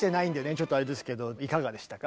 ちょっとあれですけどいかがでしたか？